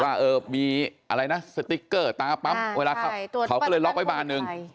ว่าเออมีอะไรนะสติ๊กเกอร์ตาปั๊มเวลาขับเขาก็เลยล็อกไว้บานหนึ่ง